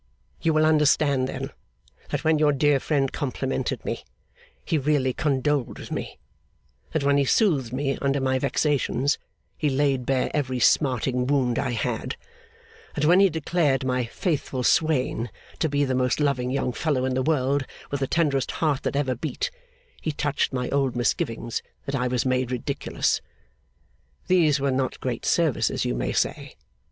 You will understand, then, that when your dear friend complimented me, he really condoled with me; that when he soothed me under my vexations, he laid bare every smarting wound I had; that when he declared my 'faithful swain' to be 'the most loving young fellow in the world, with the tenderest heart that ever beat,' he touched my old misgiving that I was made ridiculous. These were not great services, you may say.